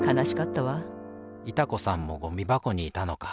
いた子さんもゴミばこにいたのか。